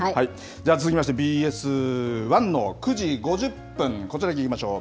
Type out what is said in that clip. じゃあ、続きまして、ＢＳ１の９時５０分、こちらにいきましょう。